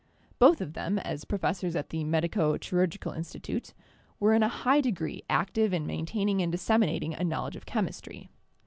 Both of them, as professors at the Medico Chirurgical Institute, were in a high degree active in maintaining and disseminating a knowledge of chemistry.